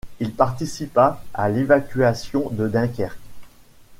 Il participa à l'évacuation de Dunkerque.